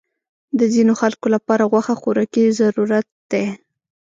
د ځینو خلکو لپاره غوښه خوراکي ضرورت دی.